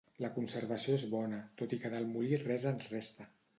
La conservació és bona, tot i que del molí res ens resta.